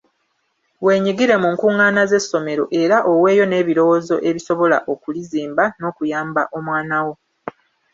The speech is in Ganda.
Wenyigire mu nkungaana z'essomero era oweeyo n'ebirowoozo ebisobola okulizimba n'okuyamba omwana wo.